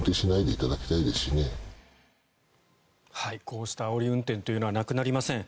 こうしたあおり運転というのはなくなりません。